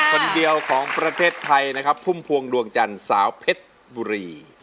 คนเดียวของประเทศไทยนะครับพุ่มพวงดวงจันทร์สาวเพชรบุรี